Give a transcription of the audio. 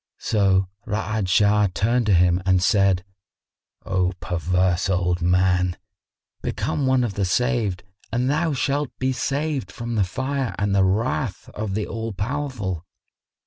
So Ra'ad Shah turned to him and said, "O perverse old man, become one of the saved and thou shalt be saved from the fire and the wrath of the All powerful."